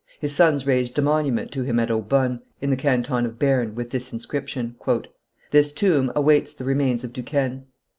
His sons raised a monument to him at Aubonne, in the canton of Berne, with this inscription: "This tomb awaits the remains of Duquesne.